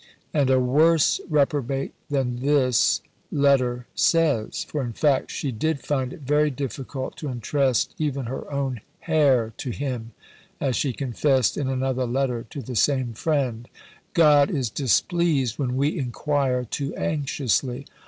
And a worse "reprobate" than this letter says; for in fact she did find it very difficult to entrust even her own "hair to Him" as she confessed in another letter to the same friend: "God is displeased when we enquire too anxiously.